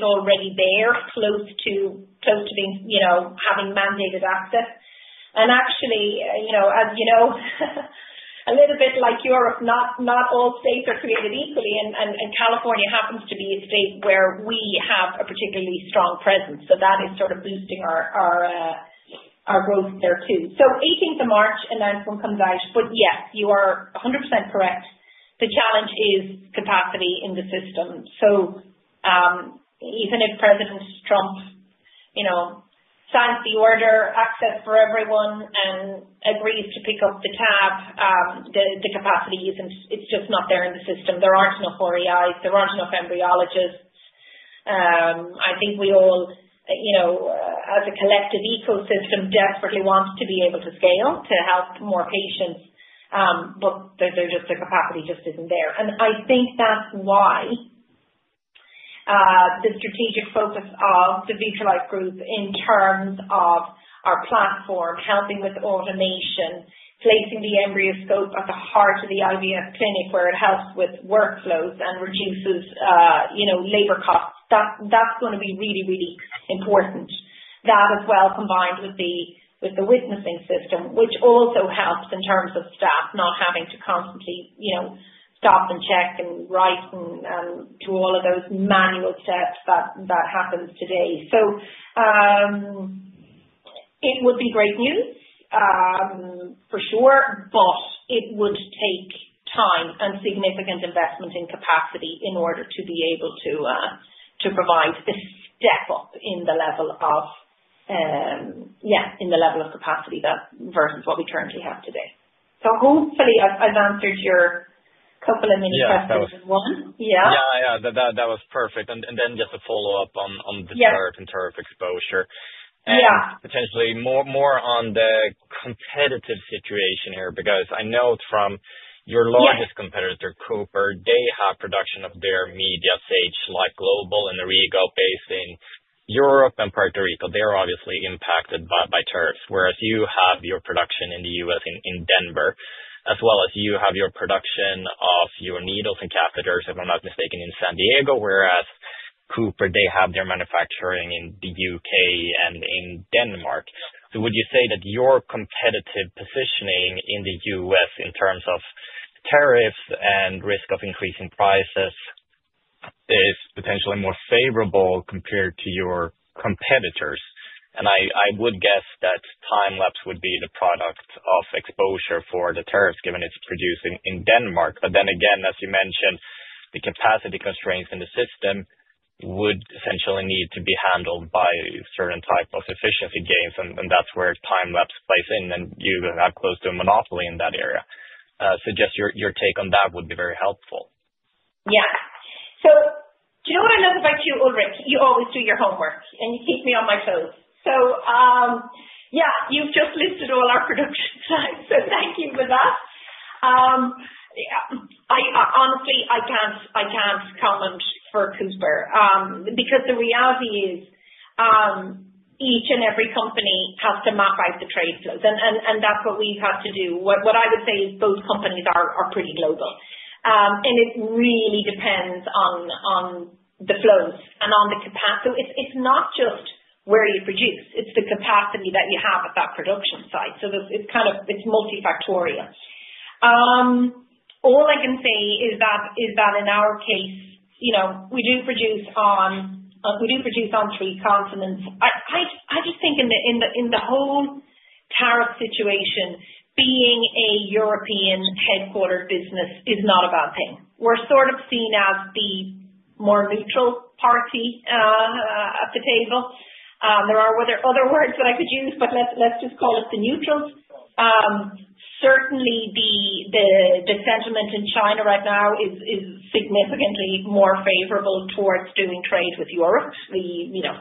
B: already there, close to having mandated access. Actually, as you know, a little bit like Europe, not all states are created equally, and California happens to be a state where we have a particularly strong presence. That is sort of boosting our growth there too. The 18th of March, announcement comes out, but yes, you are 100% correct. The challenge is capacity in the system. Even if President Trump signs the order, access for everyone, and agrees to pick up the tab, the capacity is not there in the system. There are not enough REIs. There are not enough embryologists. I think we all, as a collective ecosystem, desperately want to be able to scale to help more patients, but the capacity just is not there. I think that is why the strategic focus of the Vitrolife Group in terms of our platform, helping with automation, placing the EmbryoScope at the heart of the IVF clinic where it helps with workflows and reduces labor costs, is going to be really, really important. That as well, combined with the witnessing system, which also helps in terms of staff not having to constantly stop and check and write and do all of those manual steps that happen today. It would be great news, for sure, but it would take time and significant investment in capacity in order to be able to provide a step up in the level of, yeah, in the level of capacity versus what we currently have today. Hopefully, I've answered your couple of mini questions in one. Yeah?
F: Yeah. Yeah. That was perfect. Just a follow-up on the current tariff exposure. Potentially more on the competitive situation here because I know from your largest competitor, CooperSurgical, they have production of their media sites like Global and ORIGIO based in Europe and Puerto Rico. They are obviously impacted by tariffs, whereas you have your production in the U.S. in Denver, as well as you have your production of your needles and catheters, if I'm not mistaken, in San Diego, whereas CooperSurgical, they have their manufacturing in the U.K. and in Denmark. Would you say that your competitive positioning in the U.S. in terms of tariffs and risk of increasing prices is potentially more favorable compared to your competitors? I would guess that time lapse would be the product of exposure for the tariffs given it's producing in Denmark. As you mentioned, the capacity constraints in the system would essentially need to be handled by certain type of efficiency gains, and that's where time lapse plays in, and you have close to a monopoly in that area. Just your take on that would be very helpful.
B: Yeah. Do you know what I know about you, Ulrik? You always do your homework, and you keep me on my toes. Yeah, you've just listed all our production sites, so thank you for that. Honestly, I can't comment for CooperSurgical because the reality is each and every company has to map out the trade flows, and that's what we've had to do. What I would say is both companies are pretty global, and it really depends on the flows and on the capacity. It's not just where you produce. It's the capacity that you have at that production site. It's multifactorial. All I can say is that in our case, we do produce on three continents. I just think in the whole tariff situation, being a European headquartered business is not a bad thing. We're sort of seen as the more neutral party at the table. There are other words that I could use, but let's just call it the neutrals. Certainly, the sentiment in China right now is significantly more favorable towards doing trade with Europe. That's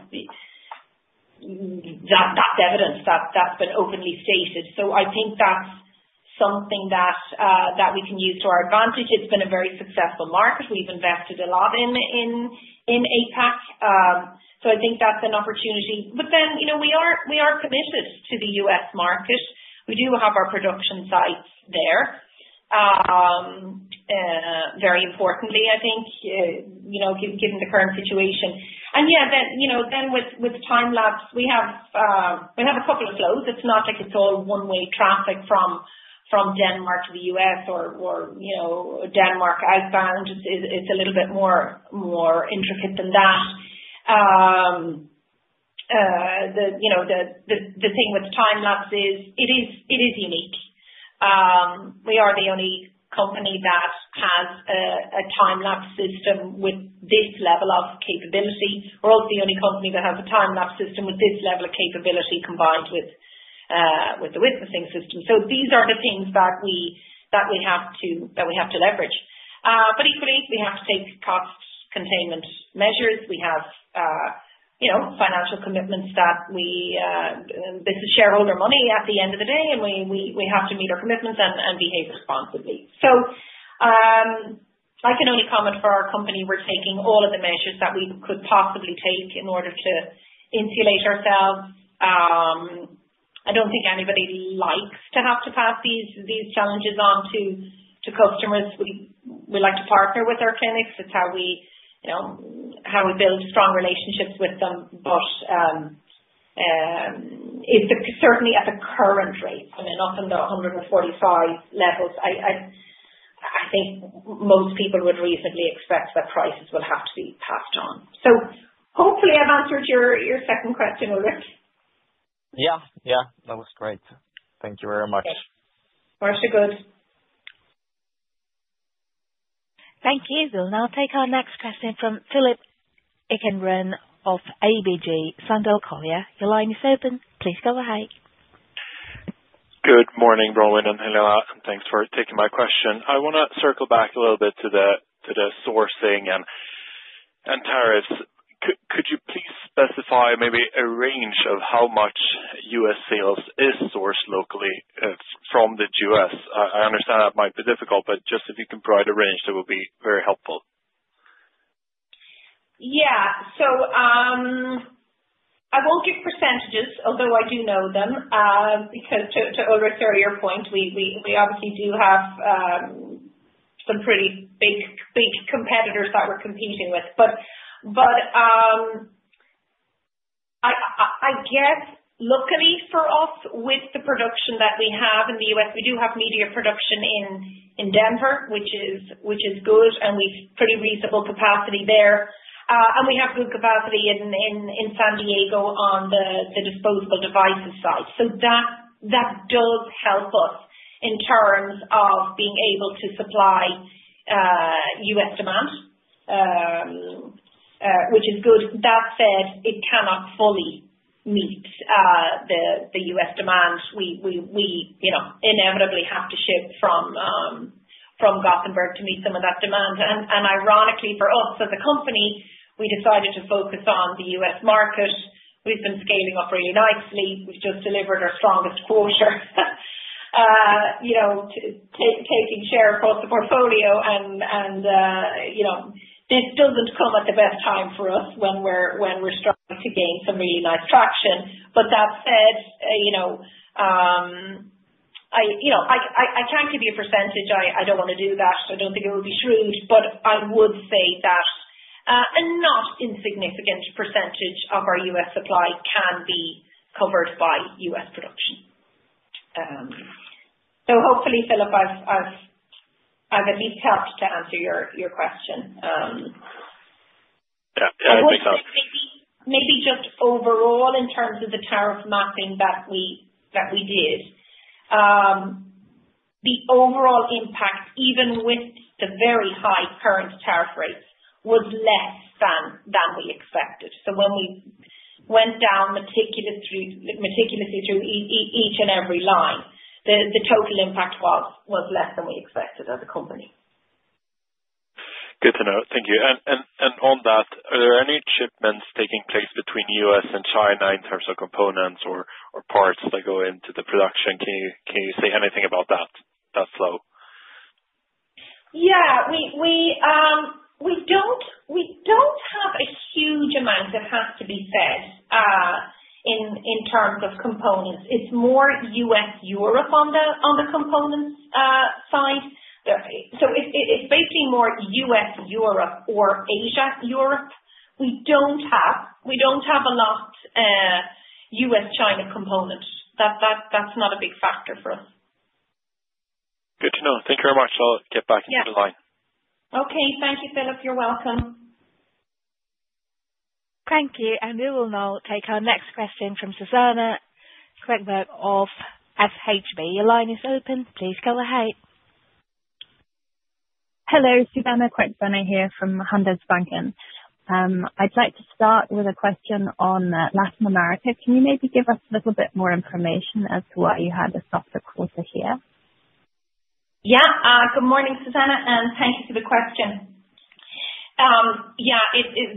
B: evidence. That's been openly stated. I think that's something that we can use to our advantage. It's been a very successful market. We've invested a lot in APAC. I think that's an opportunity. We are committed to the U.S. market. We do have our production sites there, very importantly, I think, given the current situation. Yeah, with time lapse, we have a couple of flows. It's not like it's all one-way traffic from Denmark to the U.S. or Denmark outbound. It's a little bit more intricate than that. The thing with time lapse is it is unique. We are the only company that has a time lapse system with this level of capability. We're also the only company that has a time lapse system with this level of capability combined with the witnessing system. These are the things that we have to leverage. Equally, we have to take cost containment measures. We have financial commitments that we, this is shareholder money at the end of the day, and we have to meet our commitments and behave responsibly. I can only comment for our company. We're taking all of the measures that we could possibly take in order to insulate ourselves. I don't think anybody likes to have to pass these challenges on to customers. We like to partner with our clinics. It's how we build strong relationships with them. Certainly at the current rate, I mean, up in the 145 levels, I think most people would reasonably expect that prices will have to be passed on. Hopefully, I've answered your second question, Ulrik.
F: Yeah. Yeah. That was great. Thank you very much.
B: Okay. Much good.
A: Thank you. We'll now take our next question from Philip Ekengren of ABG Sundal Collier. Your line is open. Please go ahead.
G: Good morning, Bronwyn and Helena, and thanks for taking my question. I want to circle back a little bit to the sourcing and tariffs. Could you please specify maybe a range of how much U.S. sales is sourced locally from the U.S.? I understand that might be difficult, but just if you can provide a range, that would be very helpful.
B: Yeah. I won't give percentages, although I do know them, because to Ulrik's earlier point, we obviously do have some pretty big competitors that we're competing with. I guess locally for us, with the production that we have in the U.S., we do have media production in Denver, which is good, and we've pretty reasonable capacity there. We have good capacity in San Diego on the disposable devices side. That does help us in terms of being able to supply U.S. demand, which is good. That said, it cannot fully meet the U.S. demand. We inevitably have to ship from Gothenburg to meet some of that demand. Ironically for us as a company, we decided to focus on the U.S. market. We've been scaling up really nicely. We've just delivered our strongest quarter, taking share across the portfolio. This does not come at the best time for us when we're starting to gain some really nice traction. That said, I can't give you a percentage. I don't want to do that. I don't think it would be shrewd, but I would say that a not insignificant percentage of our U.S. supply can be covered by U.S. production. Hopefully, Philip, I've at least helped to answer your question.
G: Yeah. Yeah. I think so.
B: Maybe just overall, in terms of the tariff mapping that we did, the overall impact, even with the very high current tariff rates, was less than we expected. When we went down meticulously through each and every line, the total impact was less than we expected as a company.
G: Good to know. Thank you. On that, are there any shipments taking place between the U.S. and China in terms of components or parts that go into the production? Can you say anything about that flow?
B: Yeah. We don't have a huge amount, it has to be said, in terms of components. It's more U.S.-Europe on the components side. It's basically more U.S.-Europe or Asia-Europe. We don't have a lot of U.S.-China components. That's not a big factor for us.
G: Good to know. Thank you very much. I'll get back into the line.
B: Okay. Thank you, Philip. You're welcome.
A: Thank you. We will now take our next question from Susana Quintanilla of SHB. Your line is open. Please go ahead.
H: Hello, Suzanna Queckbörner Quintanilla here from Handelsbanken. I'd like to start with a question on Latin America. Can you maybe give us a little bit more information as to why you had a softer quarter here?
B: Yeah. Good morning, Suzanna Queckbörner, and thank you for the question. Yeah.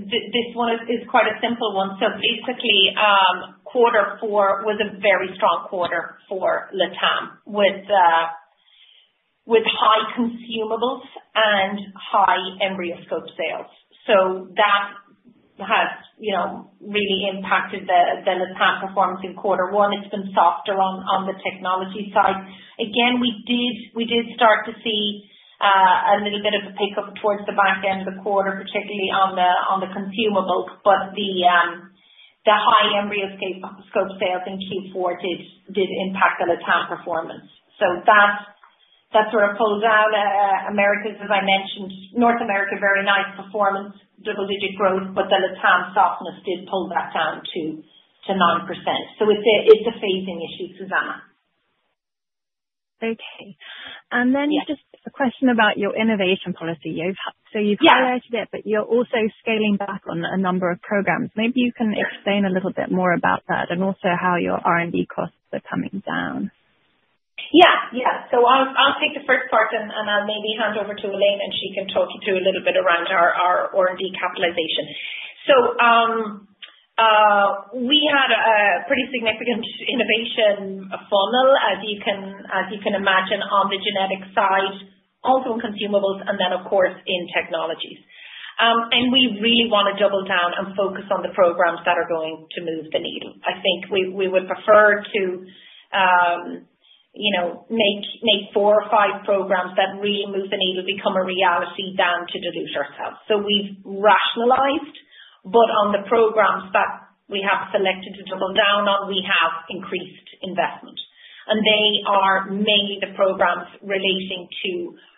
B: This one is quite a simple one. Basically, Q4 was a very strong quarter for Latin America with high consumables and high EmbryoScope sales. That has really impacted the Latin America performance in Q1. It's been softer on the technology side. Again, we did start to see a little bit of a pickup towards the back end of the quarter, particularly on the consumables, but the high EmbryoScope sales in Q4 did impact the LatAm performance. That sort of pulled down Americas, as I mentioned. North America, very nice performance, double-digit growth, but the LatAm softness did pull that down to 9%. It is a phasing issue, Suzanna Queckbörner.
H: Okay. Just a question about your innovation policy. You have highlighted it, but you are also scaling back on a number of programs. Maybe you can explain a little bit more about that and also how your R&D costs are coming down.
B: Yeah. Yeah. I will take the first part, and I will maybe hand over to Helena, and she can talk you through a little bit around our R&D capitalization. We had a pretty significant innovation funnel, as you can imagine, on the genetic side, also in consumables, and then, of course, in technologies. We really want to double down and focus on the programs that are going to move the needle. I think we would prefer to make four or five programs that really move the needle, become a reality than to dilute ourselves. We have rationalized, but on the programs that we have selected to double down on, we have increased investment. They are mainly the programs relating to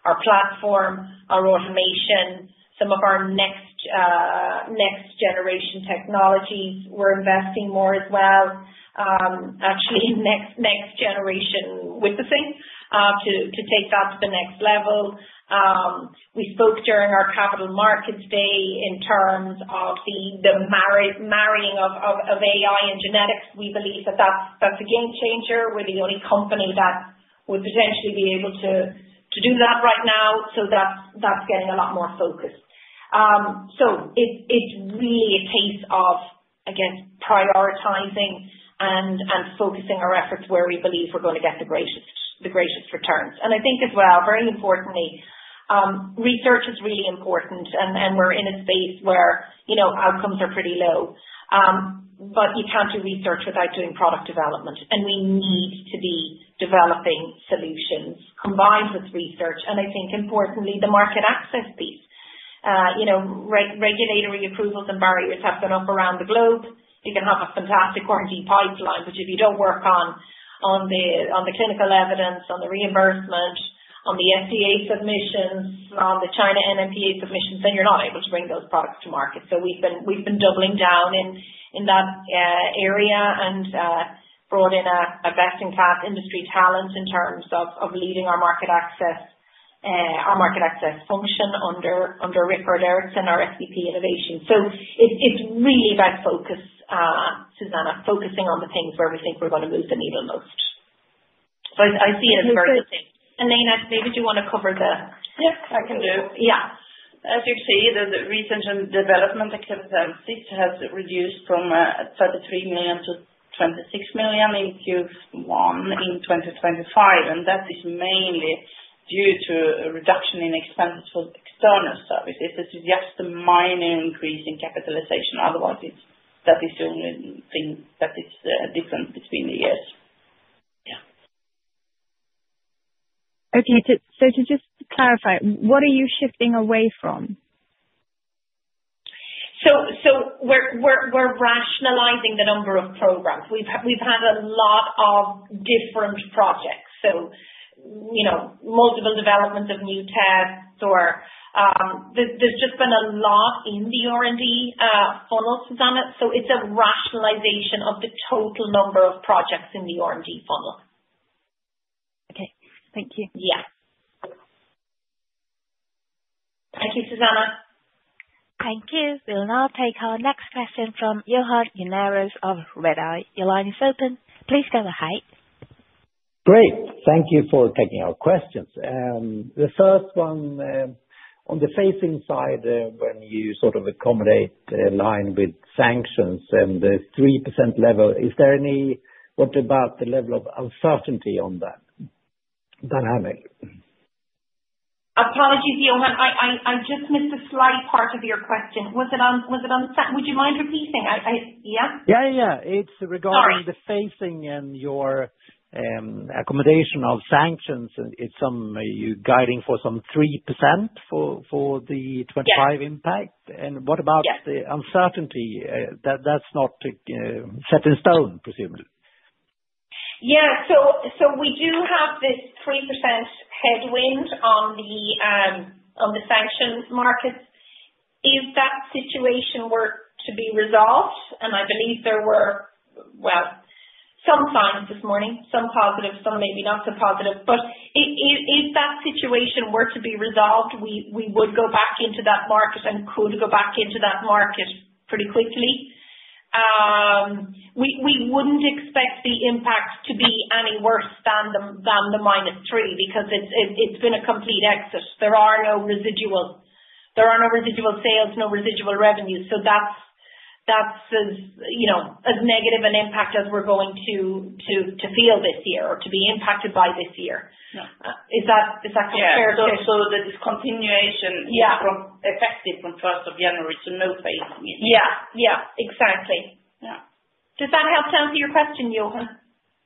B: our platform, our automation, some of our next-generation technologies. We are investing more as well, actually, in next-generation witnessing to take that to the next level. We spoke during our Capital Markets Day in terms of the marrying of AI and genetics. We believe that that's a game changer. We're the only company that would potentially be able to do that right now. That's getting a lot more focused. It's really a case of, I guess, prioritizing and focusing our efforts where we believe we're going to get the greatest returns. I think as well, very importantly, research is really important, and we're in a space where outcomes are pretty low. You can't do research without doing product development, and we need to be developing solutions combined with research. I think, importantly, the market access piece. Regulatory approvals and barriers have gone up around the globe. You can have a fantastic R&D pipeline, but if you don't work on the clinical evidence, on the reimbursement, on the FDA submissions, on the China NMPA submissions, then you're not able to bring those products to market. We have been doubling down in that area and brought in a best-in-class industry talent in terms of leading our market access function under Rickard Ericsson and our SVP Innovation. It is really about focus, Suzanna Queckbörner, focusing on the things where we think we are going to move the needle most. I see it as very good. Helena, maybe do you want to cover the—
C: Yeah. I can do. Yeah. As you see, the research and development activities have reduced from 33 million to 26 million in Q1 in 2025, and that is mainly due to a reduction in expenses for external services. This is just a minor increase in capitalization. Otherwise, that is the only thing that is different between the years.
H: Yeah. Okay. To just clarify, what are you shifting away from?
B: We are rationalizing the number of programs. We have had a lot of different projects. Multiple developments of new tests, or there's just been a lot in the R&D funnel, Suzanna Queckbörner. It is a rationalization of the total number of projects in the R&D funnel.
H: Okay. Thank you.
B: Yeah. Thank you, Suzanna Queckbörner. Thank you. We'll now take our next question from Johan Unnéus of Redeye. Your line is open. Please go ahead.
I: Great. Thank you for taking our questions. The first one, on the phasing side, when you sort of accommodate the line with sanctions and the 3% level, is there any—what about the level of uncertainty on that dynamic?
B: Apologies, Johan. I just missed a slight part of your question. Was it on—would you mind repeating? Yeah?
I: Yeah. Yeah. It is regarding the phasing and your accommodation of sanctions. You are guiding for some 3% for the 2025 impact. And what about the uncertainty? That is not set in stone, presumably.
B: Yeah. We do have this 3% headwind on the sanction markets. Is that situation to be resolved? I believe there were, well, some signs this morning, some positive, some maybe not so positive. If that situation were to be resolved, we would go back into that market and could go back into that market pretty quickly. We would not expect the impact to be any worse than the -3% because it has been a complete exit. There are no residual sales, no residual revenues. That is as negative an impact as we are going to feel this year or to be impacted by this year. Is that compared to?
C: Yeah. The discontinuation is effective from 1st of January to no phasing?
B: Yeah. Yeah. Exactly. Yeah. Does that help to answer your question, Johan?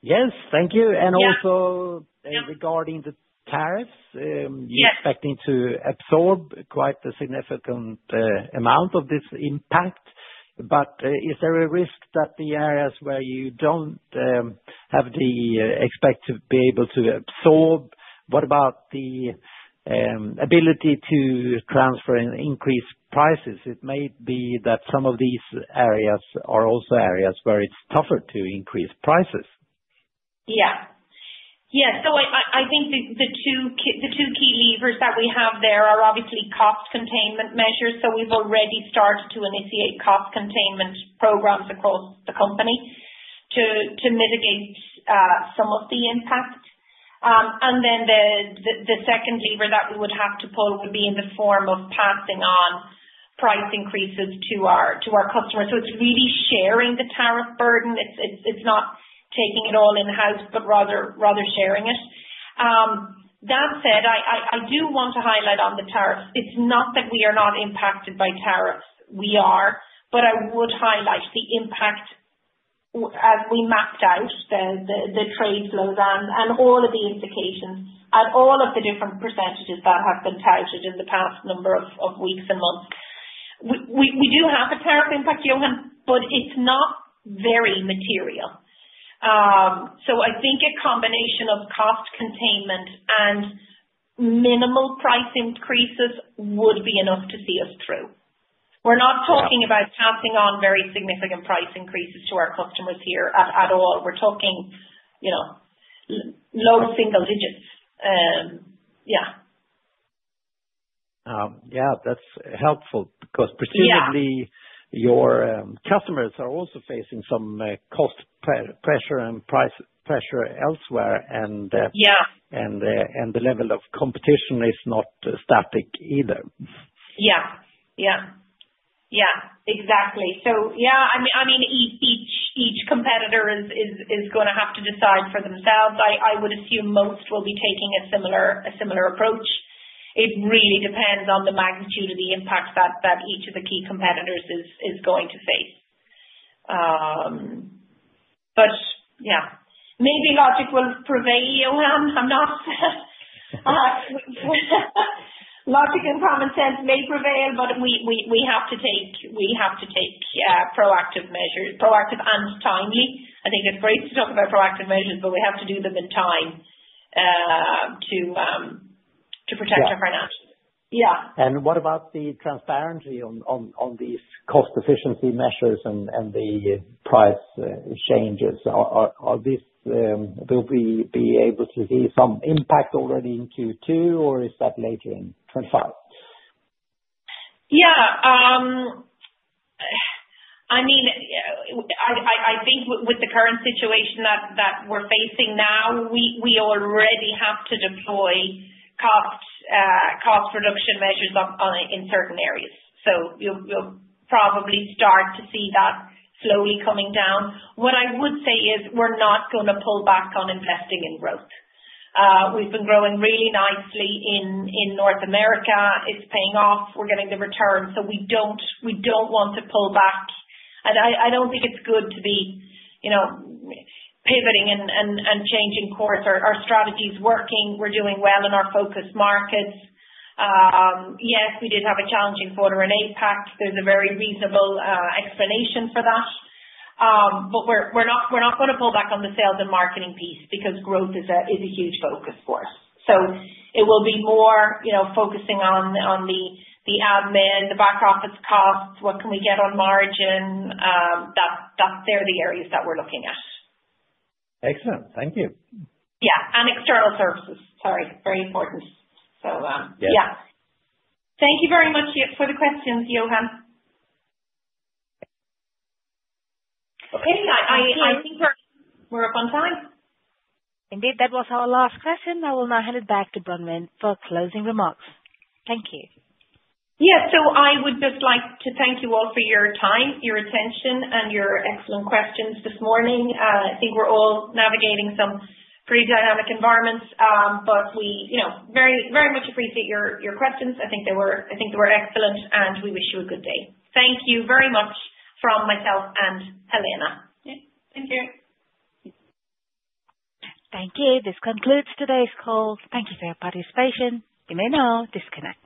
I: Yes. Thank you. Also regarding the tariffs, you're expecting to absorb quite a significant amount of this impact. Is there a risk that the areas where you do not have the expected ability to absorb? What about the ability to transfer and increase prices? It may be that some of these areas are also areas where it is tougher to increase prices.
B: Yeah. Yeah. I think the two key levers that we have there are obviously cost containment measures. We have already started to initiate cost containment programs across the company to mitigate some of the impact. The second lever that we would have to pull would be in the form of passing on price increases to our customers. It is really sharing the tariff burden. It is not taking it all in-house, but rather sharing it. That said, I do want to highlight on the tariffs. It's not that we are not impacted by tariffs. We are. I would highlight the impact as we mapped out the trade flows and all of the implications at all of the different percentages that have been touted in the past number of weeks and months. We do have a tariff impact, Johan, but it's not very material. I think a combination of cost containment and minimal price increases would be enough to see us through. We're not talking about passing on very significant price increases to our customers here at all. We're talking low single digits.
I: Yeah. That's helpful because presumably your customers are also facing some cost pressure and price pressure elsewhere, and the level of competition is not static either.
B: Yeah. Exactly. I mean, each competitor is going to have to decide for themselves. I would assume most will be taking a similar approach. It really depends on the magnitude of the impact that each of the key competitors is going to face. Yeah, maybe logic will prevail, Johan. Logic and common sense may prevail, but we have to take proactive measures, proactive and timely. I think it's great to talk about proactive measures, but we have to do them in time to protect our financials.
I: Yeah. What about the transparency on these cost efficiency measures and the price changes? Will we be able to see some impact already in Q2, or is that later in Q4?
B: Yeah. I mean, I think with the current situation that we're facing now, we already have to deploy cost reduction measures in certain areas. You'll probably start to see that slowly coming down. What I would say is we're not going to pull back on investing in growth. We've been growing really nicely in North America. It's paying off. We're getting the return. We don't want to pull back. I don't think it's good to be pivoting and changing course. Our strategy is working. We're doing well in our focus markets. Yes, we did have a challenging quarter in APAC. There's a very reasonable explanation for that. We're not going to pull back on the sales and marketing piece because growth is a huge focus for us. It will be more focusing on the admin, the back office costs, what can we get on margin. That's the areas that we're looking at.
I: Excellent. Thank you.
B: Yeah. And external services. Sorry. Very important. Yeah. Thank you very much for the questions, Johan.
A: Okay. I think we're up on time. Indeed. That was our last question. I will now hand it back to Bronwyn for closing remarks. Thank you.
B: Yeah. I would just like to thank you all for your time, your attention, and your excellent questions this morning. I think we are all navigating some pretty dynamic environments, but we very much appreciate your questions. I think they were excellent, and we wish you a good day. Thank you very much from myself and Helena.
C: Yeah. Thank you.
A: Thank you. This concludes today's call. Thank you for your participation. You may now disconnect.